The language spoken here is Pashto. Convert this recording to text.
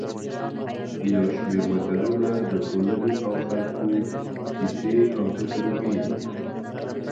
یو شمېر متلونه د ټولنې او خلکو کیسې او تجربې دي